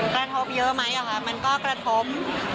กระทบเยอะไหมคะมันก็กระทบ